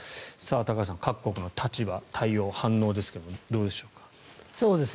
高橋さん各国の立場、対応、反応ですがいかがでしょう。